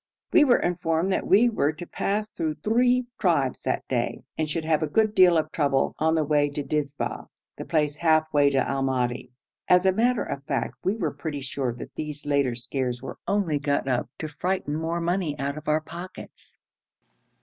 We were informed that we were to pass through three tribes that day, and should have a good deal of trouble on the way to Dizba, the place half way to Al Madi. As a matter of fact we were pretty sure that these later scares were only got up to frighten more money out of our pockets.